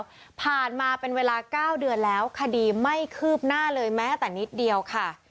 ที่ผ่านมาเป็นเวลา๙เดือนแล้วคดีไม่คืบหน้าเลยแม้แต่นิดเดียวค่ะ